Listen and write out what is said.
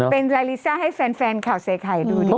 เป็นลาลิซ่าให้แฟนข่าวเศรษฐ์ไข่ดูดีกว่า